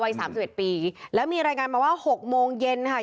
วัย๓๑ปีแล้วมีรายงานมาว่า๖โมงเย็นค่ะ